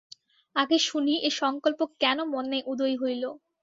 আগে শুনি, এ সংকল্প কেন মনে উদয় হইল।